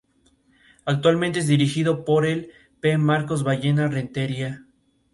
Actualmente es dirigido por el P. Marcos Ballena Rentería.